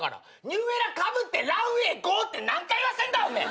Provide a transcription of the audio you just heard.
ニューエラかぶってランウェイへゴーって何回言わせんだお前！